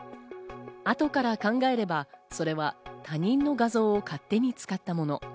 後から考えれば、それは他人の画像を勝手に使ったもの。